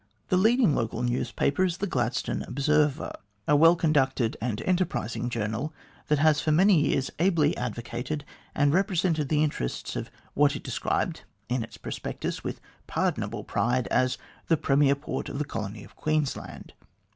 The leading local newspaper is the Glad stone Observer, a well conducted and enterprising journal, that has for many years ably advocated and represented the interests of what it described in its prospectus with pardonable pride as "the premier port of the colony of Queensland."